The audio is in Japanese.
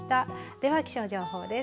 では気象情報です。